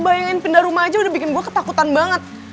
bayangin pindah rumah aja udah bikin gue ketakutan banget